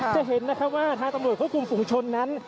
จะเห็นนะครับว่าทางตำรวจควบคุมฝุงชนนั้น